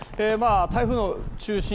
台風の中心